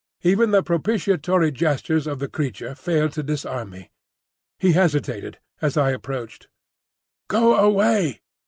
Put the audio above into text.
Even the propitiatory gestures of the creature failed to disarm me. He hesitated as he approached. "Go away!"